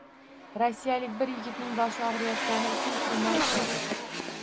Rossiyalik bir yigitning boshi og‘riyotgani uchun “Trimol” ichadi.